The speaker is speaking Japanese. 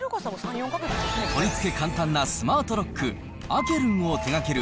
取り付け簡単なスマートロック、アケルンを手がける